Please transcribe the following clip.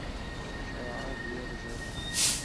شایعات ډېر ژر مني.